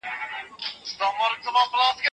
افغاني ځواک د صفوي کورنۍ د لړۍ ټبر ورټول کړ.